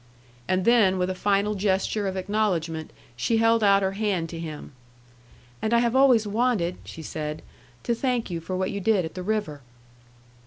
And then, with a final gesture of acknowledgment, she held out her hand to him. "And I have always wanted," she said, "to thank you for what you did at the river."